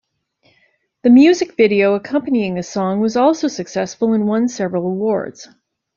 The music video accompanying the song was also successful and won several awards.